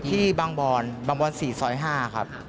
ที่บางบรนด์๔๕